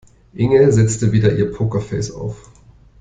Inge setzte wieder ihr Pokerface auf.